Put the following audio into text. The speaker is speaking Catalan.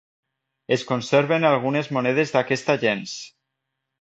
Es conserven algunes monedes d'aquesta gens.